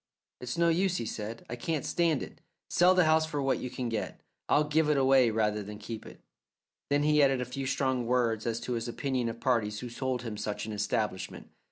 "It's no use," he said, "I can't stand it. Sell the house for what you can get. I'll give it away rather than keep it." Then he added a few strong words as to his opinion of parties who sold him such an establishment.